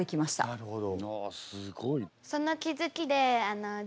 なるほど。